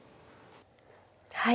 はい。